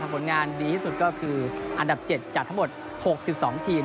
ผลงานดีที่สุดก็คืออันดับ๗จากทั้งหมด๖๒ทีม